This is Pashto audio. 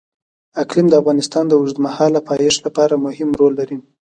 اقلیم د افغانستان د اوږدمهاله پایښت لپاره مهم رول لري.